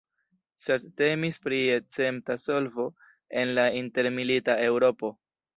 Sed temis pri escepta solvo en la intermilita Eŭropo.